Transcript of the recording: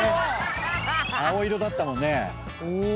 青色だったもんね。